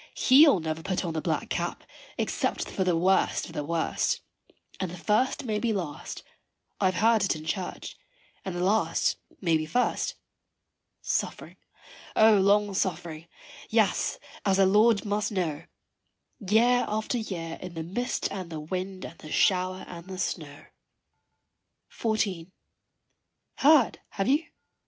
He'll never put on the black cap except for the worst of the worst, And the first may be last I have heard it in church and the last may be first. Suffering O long suffering yes, as the Lord must know, Year after year in the mist and the wind and the shower and the snow. XIV. Heard, have you?